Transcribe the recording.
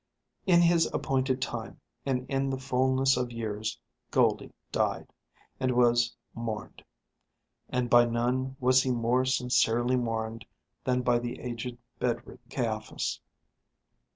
In his appointed time, and in the fulness of years, Goldie died, and was mourned. And by none was he more sincerely mourned than by the aged bedridden Caiaphas.